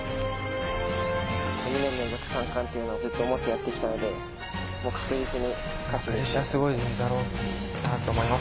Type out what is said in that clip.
２年連続３冠というのをずっと思ってやっていたので確実に勝ちにいきたいと思っています。